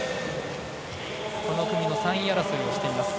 この組の３位争いをしています。